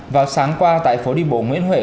vào sáng qua tại phố đi bổ nguyễn huệ